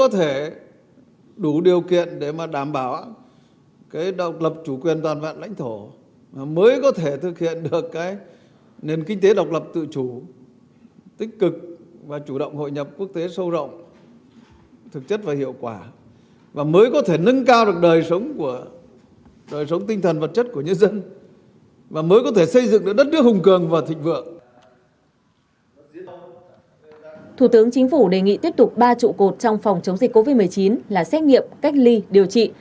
thủ tướng chính phủ đề nghị tiếp tục ba trụ cột trong phòng chống dịch covid một mươi chín là xét nghiệm cách ly điều trị